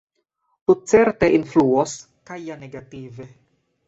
Tutcerte influos, kaj ja negative.